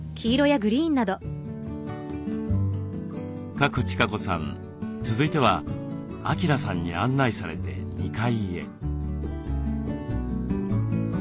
賀来千香子さん続いては晃さんに案内されて２階へ。